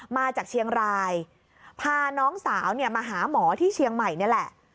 มาจากเชียงรายพาน้องสาวมาหาหมอที่เชียงใหม่นี่แหละ